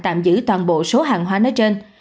tạm giữ toàn bộ số hàng hóa nói trên